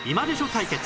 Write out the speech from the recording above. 対決